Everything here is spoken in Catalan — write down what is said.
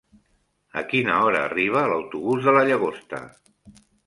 A quina hora arriba l'autobús de la Llagosta?